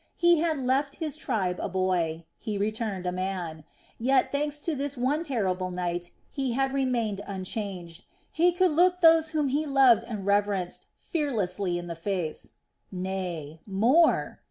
He had left his tribe a boy; he returned a man; yet, thanks to this one terrible night, he had remained unchanged, he could look those whom he loved and reverenced fearlessly in the face. Nay, more!